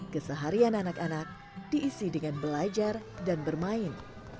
keseharian anak anak diisi dengan belajar dan bermain